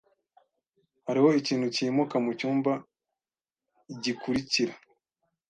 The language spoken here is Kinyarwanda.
Hariho ikintu cyimuka mucyumba gikurikira.